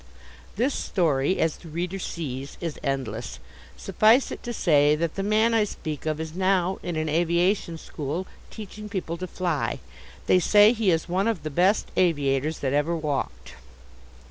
This story, as the reader sees, is endless. Suffice it to say that the man I speak of is now in an aviation school teaching people to fly. They say he is one of the best aviators that ever walked.